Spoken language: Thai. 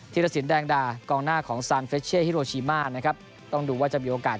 ธีรสินแดงดากองหน้าของฮิโรชิมานะครับต้องดูว่าจะมีโอกาส